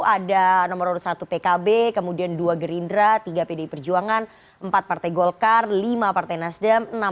ada nomor urut satu pkb kemudian dua gerindra tiga pdi perjuangan empat partai golkar lima partai nasdem